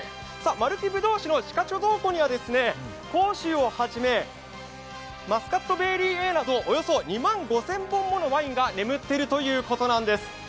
まるき葡萄酒の地下貯蔵庫には甲州をはじめマスカットベリーＡなど、およそ２万５０００本ものワインが眠っているということなんです。